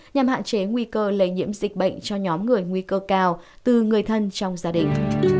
nhằm hạn chế nguy cơ lây nhiễm dịch bệnh cho nhóm người nguy cơ cao từ người thân trong gia đình